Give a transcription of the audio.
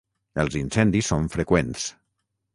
Els incendis són freqüents.